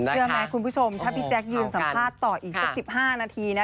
เชื่อไหมคุณผู้ชมถ้าพี่แจ๊คยืนสัมภาษณ์ต่ออีกสัก๑๕นาทีนะ